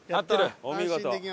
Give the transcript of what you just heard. お見事。